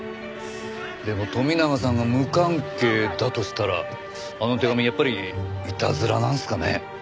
でも富永さんが無関係だとしたらあの手紙やっぱりいたずらなんですかね？